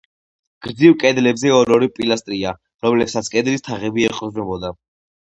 გრძივ კედლებზე ორ-ორი პილასტრია, რომლებსაც კედლის თაღები ეყრდნობოდა.